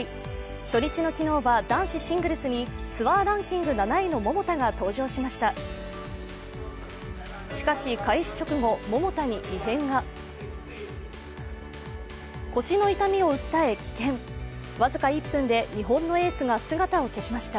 初日の昨日は男子シングルスに男子ツアーランキング２位の桃田が登場しました。